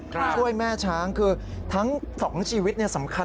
ช่วยแม่ช้างคือทั้ง๒ชีวิตสำคัญ